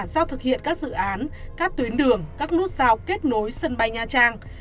giao thực hiện các dự án các tuyến đường các nút giao kết nối sân bay nha trang